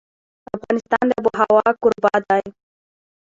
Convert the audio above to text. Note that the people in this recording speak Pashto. افغانستان د آب وهوا کوربه دی.